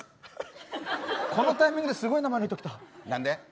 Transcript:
このタイミングですごい名前の人、きた。